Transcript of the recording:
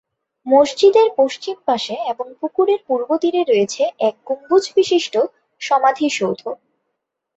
মসজিদের পশ্চিম পাশে এবং পুকুরের পূর্ব তীরে রয়েছে এক গম্বুজ বিশিষ্ঠ সমাধি সৌধ।